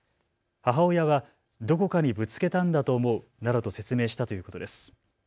母親はどこかにぶつけたんだと思うなどと説明したということです。